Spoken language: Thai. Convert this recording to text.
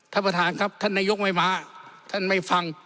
ท่านประธานครับท่านนายกไม่มาท่านไม่ฟัง